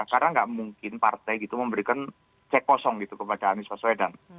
karena nggak mungkin partai gitu memberikan cek kosong gitu kepada anies baswedan